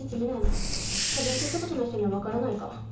まっ勉強したことない人には分からないか。